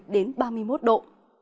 hai mươi bảy đến ba mươi một độ